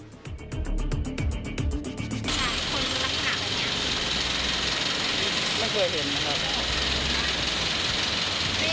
เดี๋ยวก็ดีกันคนคิดเล่าค่ะ